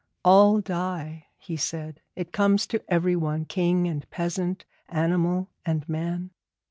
'All die,' he said; 'it comes to everyone, king and peasant, animal and man.